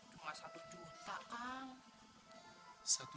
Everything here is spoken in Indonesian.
cuma satu juta kang